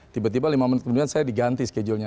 tiba tiba lima menit kemudian saya diganti schedule nya